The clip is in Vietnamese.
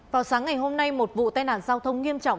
vào sáng ngày hôm nay một vụ tai nạn giao thông nghiêm trọng